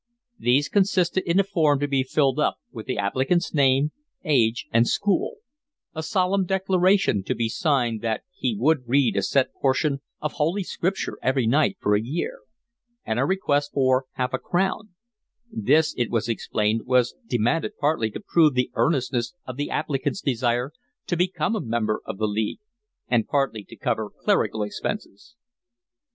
These consisted in a form to be filled up with the applicant's name, age, and school; a solemn declaration to be signed that he would read a set portion of Holy Scripture every night for a year; and a request for half a crown; this, it was explained, was demanded partly to prove the earnestness of the applicant's desire to become a member of the League, and partly to cover clerical expenses.